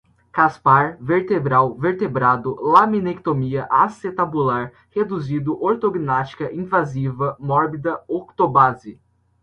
caspar, vertebral, vertebrado, laminectomia, acetabular, reduzido, ortognática, invasiva, mórbida, octobase